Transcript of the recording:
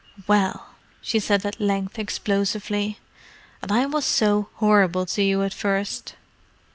"Well!" she said at length explosively. "And I was so horrible to you at first!"